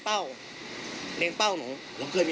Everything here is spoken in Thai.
ถ้าเขาถูกจับคุณอย่าลืม